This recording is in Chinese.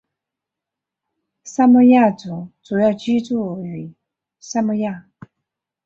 萨摩亚族主要居住于萨摩亚。